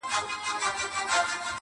وړي لمبه پر سر چي شپه روښانه کړي!!